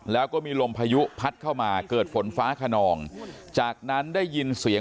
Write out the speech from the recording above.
แล้วก็มีลมพายุพัดเข้ามาเกิดฝนฟ้าขนองจากนั้นได้ยินเสียง